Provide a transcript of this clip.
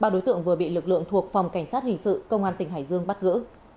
ba đối tượng vừa bị lực lượng thuộc phòng cảnh sát hình sự công an tỉnh hải dương bắt giữ